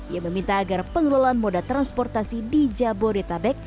ia meminta agar pengelolaan moda transportasi di jabodetabek